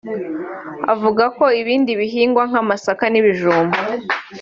avuga ko ibindi bihingwa nk’amasaka n’ibijumba